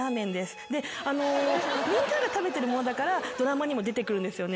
みんなが食べてるものだからドラマにも出てくるんですよね。